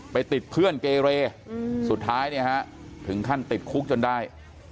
ไปติดเพื่อนเกเรสุดท้ายเนี่ยฮะถึงขั้นติดคุกจนได้